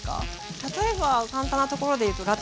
例えば簡単なところで言うとラタトゥイユ。